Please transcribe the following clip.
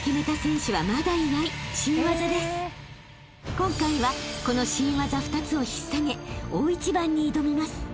［今回はこの新技２つを引っ提げ大一番に挑みます］